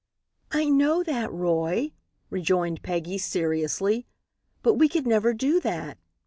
"I know that, Roy," rejoined Peggy, seriously, "but we could never do that.